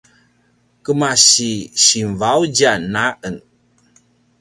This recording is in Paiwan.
kemasi Sinvaudjan a en